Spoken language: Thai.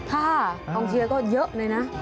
กองเชียร์ก็เยอะเลยนะ